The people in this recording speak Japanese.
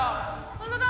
本当だ。